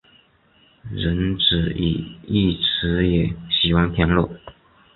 荣子与义持也喜欢田乐。